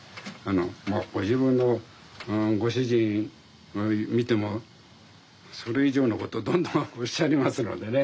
ご自分のご主人見てもそれ以上のことどんどんおっしゃりますのでね。